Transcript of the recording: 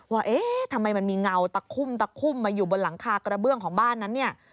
ว่าเอ๊ะทำไมมันมีเงาตะคุ่มตะคุ่มมาอยู่บนหลังคากระเบื้องของบ้านนั้นเนี่ย